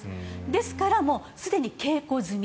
ですから、すでに稽古済み。